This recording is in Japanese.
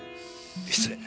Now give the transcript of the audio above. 失礼。